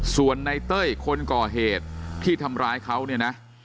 ส่วนในเต้ยคนก่อเหตุที่ทำร้ายเขาเนี่ยนะ